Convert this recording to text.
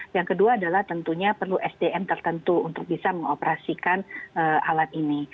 yang kedua adalah tentunya perlu sdm tertentu untuk bisa mengoperasikan alat ini